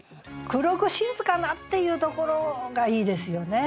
「黒く静かな」っていうところがいいですよね。